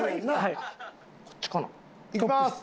いきます！